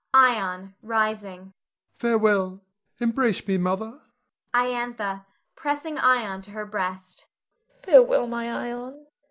Ion [rising]. Farewell! Embrace me, Mother. Iantha [pressing Ion to her breast]. Farewell, my Ion.